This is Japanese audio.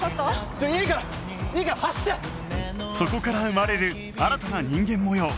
そこから生まれる新たな人間模様